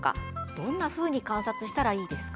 どんなふうに観察したらいいですか。